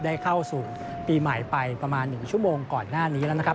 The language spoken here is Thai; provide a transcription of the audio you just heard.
เข้าสู่ปีใหม่ไปประมาณ๑ชั่วโมงก่อนหน้านี้แล้วนะครับ